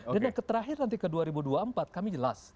dan yang terakhir nanti ke dua ribu dua puluh empat kami jelas